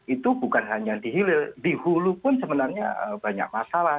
itu bukan hanya di hilir di hulu pun sebenarnya banyak masalah